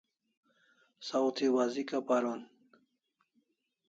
Saw thi wazika paron